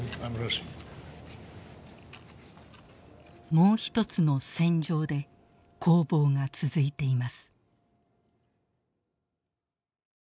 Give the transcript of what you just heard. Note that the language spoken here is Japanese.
もうひとつの「戦場」で攻防が続いています。